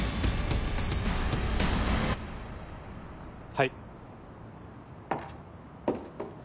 はい。